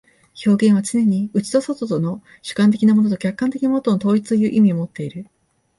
表現はつねに内と外との、主観的なものと客観的なものとの統一という意味をもっている。